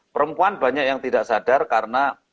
perempuan banyak yang tidak sadar karena